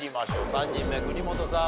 ３人目国本さん